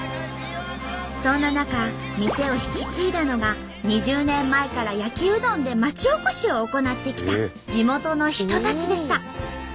そんな中店を引き継いだのが２０年前から焼うどんで町おこしを行ってきた地元の人たちでした。